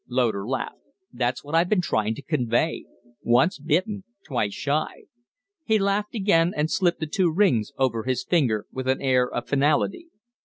Loder laughed. "That's what I've been trying to convey. Once bitten, twice shy!" He laughed again and slipped the two rings over his finger with an air of finality.